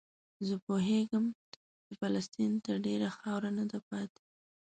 زه پوهېدم چې فلسطین ته ډېره خاوره نه ده پاتې.